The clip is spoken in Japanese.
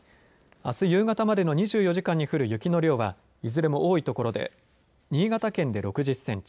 あす夕方までの２４時間に降る雪の量はいずれも多い所で新潟県で６０センチ